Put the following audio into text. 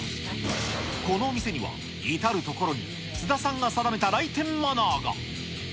このお店には、至る所に津田さんが定めた来店マナーが。